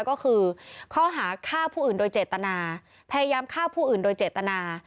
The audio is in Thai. ก็คือข้อหาฆ่าผู้อื่นโดยเจตนาพยายามฆ่าผู้อื่นโดยเจตนา